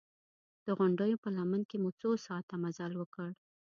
د غونډیو په لمن کې مو څو ساعته مزل وکړ.